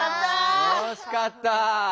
おしかった！